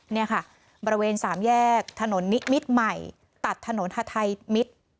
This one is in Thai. นี่ค่ะบริเวณสามแยกถนนนิมิตรใหม่ตัดถนนฮาไทยมิตร